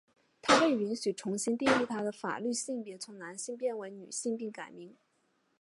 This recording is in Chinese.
她被允许重新定义她的法律性别从男性变为女性并改名。